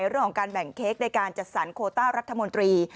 เรื่องของการแบ่งเค้กในการจัดสรรโคต้ารัฐมนตรี